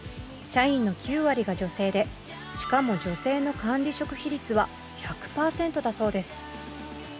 社員の９割が女性でしかも女性の管理職比率は１００％だそうです。